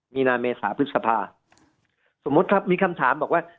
มีนาเมษาพฤษภาสมมุติครับมีคำถามบอกว่า